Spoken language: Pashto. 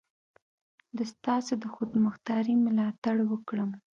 د ستاسو د خودمختاري ملاتړ وکړم.